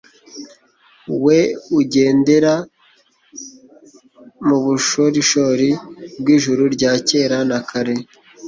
we ugendera mu bushorishori bw'ijuru rya kera na kare